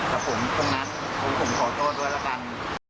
ครับผมตรงนั้นผมขอโทษด้วยแล้วกัน